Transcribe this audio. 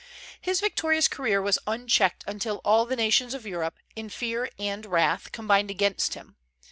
His victorious career was unchecked until all the nations of Europe, in fear and wrath, combined against him.